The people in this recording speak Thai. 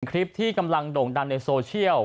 คลิปที่กำลังโด่งดังในโซเชียล